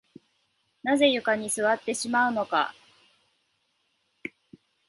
なぜ床に座ってしまうのか